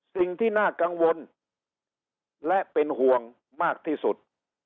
สิ่งที่น่ากังวลและเป็นห่วงมากที่สุด